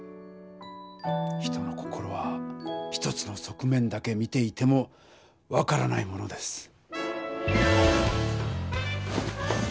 人の心は一つの側面だけ見ていても分からないものです。